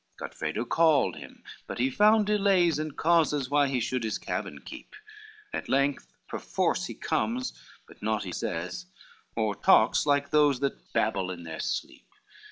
XXX Godfredo called him, but he found delays And causes why he should his cabin keep, At length perforce he comes, but naught he says, Or talks like those that babble in their sleep.